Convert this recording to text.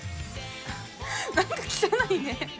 何か汚いね。